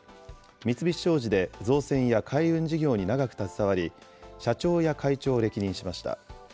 三菱商事で造船や海運事業に長く携わり、社長や会長を歴任しました。